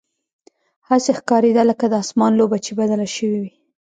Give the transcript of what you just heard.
هسې ښکارېده لکه د اسمان لوبه چې بدله شوې وي.